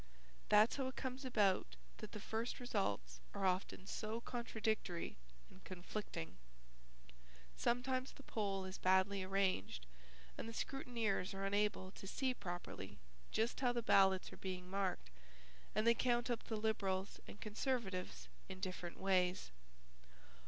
That's how it comes about that the first results are often so contradictory and conflicting. Sometimes the poll is badly arranged and the scrutineers are unable to see properly just how the ballots are being marked and they count up the Liberals and Conservatives in different ways.